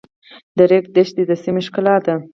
د ریګ دښتې د سیمو ښکلا ده.